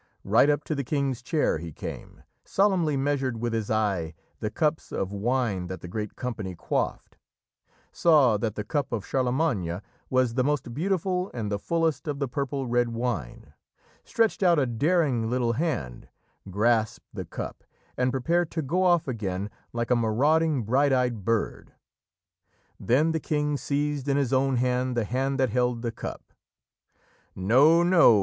Right up to the King's chair he came, solemnly measured with his eye the cups of wine that the great company quaffed, saw that the cup of Charlemagne was the most beautiful and the fullest of the purple red wine, stretched out a daring little hand, grasped the cup, and prepared to go off again, like a marauding bright eyed bird. Then the King seized in his own hand the hand that held the cup. "No! no!